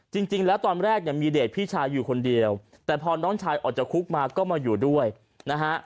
จริงแล้วตอนแรกเนี่ยมีเดชพี่ชายอยู่คนเดียวแต่พอน้องชายออกจากคุกมาก็มาอยู่ด้วยนะฮะ